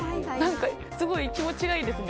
すごい気持ちがいいですね。